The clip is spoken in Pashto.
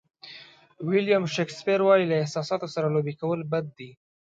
ویلیام شکسپیر وایي له احساساتو سره لوبې کول بد دي.